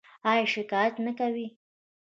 ایا شکایت نه کوئ؟